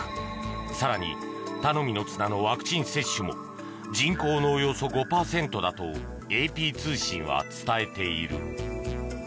更に、頼みの綱のワクチン接種も人口のおよそ５％だとＡＰ通信は伝えている。